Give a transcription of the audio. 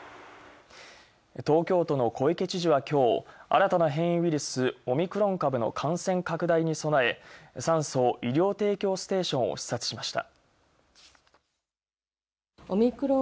東京都の小池知事はきょう、新たな変異ウイルス「オミクロン株」の感染拡大に備え、「酸素・医療提供ステーション」を視察しました。